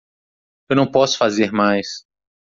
Eu não posso fazer mais.